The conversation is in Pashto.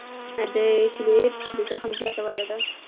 د کیلویډ د زخم زیاته وده ده.